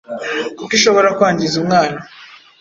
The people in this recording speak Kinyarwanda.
kuko ishobora kwangiza umwana